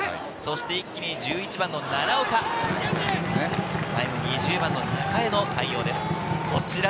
一気に１１番の奈良岡、２０番の中江の対応です。